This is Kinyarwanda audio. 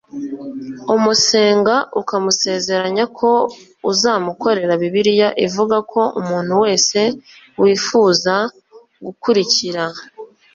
umusenga ukamusezeranya ko uzamukorera Bibiliya ivuga ko umuntu wese wifuza gukurikira